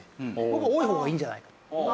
僕多い方がいいんじゃないかと。